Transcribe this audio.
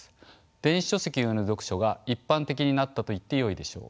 電子書籍による読書が一般的になったといってよいでしょう。